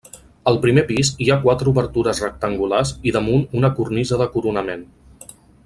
Al primer pis hi ha quatre obertures rectangulars i damunt una cornisa de coronament.